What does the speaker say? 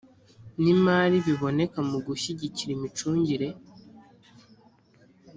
n imari biboneka mu gushyigikira imicungire